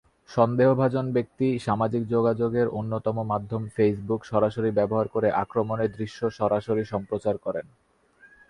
সন্দেহভাজন ব্যক্তি সামাজিক যোগাযোগের অন্যতম মাধ্যম ফেসবুক সরাসরি ব্যবহার করে আক্রমণের দৃশ্য সরাসরি সম্প্রচার করেন।